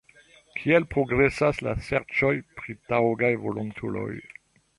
Kiel progresas la serĉoj pri taŭgaj volontuloj?